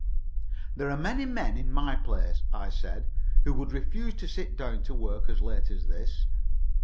"There are many men in my place," I said, "who would refuse to sit down to work as late as this.